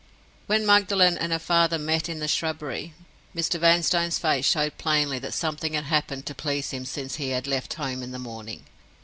When Magdalen and her father met in the shrubbery Mr. Vanstone's face showed plainly that something had happened to please him since he had left home in the morning.